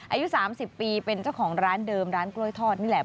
อายุ๓๐ปีเป็นเจ้าของร้านเดิมร้านกล้วยทอดนี่แหละ